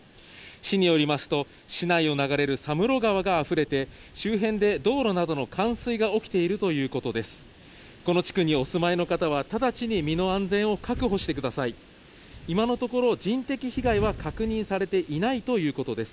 市によりますと、市内を流れる佐室川があふれて、周辺で道路などの冠水が起きているということです。